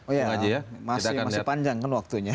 oh iya masih panjang kan waktunya